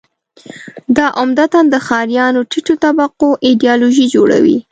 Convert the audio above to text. دا عمدتاً د ښاریانو ټیټو طبقو ایدیالوژي جوړوي.